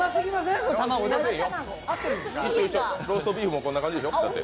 一緒、一緒、ローストビーフもこんな感じでしょ。